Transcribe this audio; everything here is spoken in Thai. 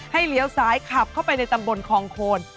เลี้ยวซ้ายขับเข้าไปในตำบลคองโคน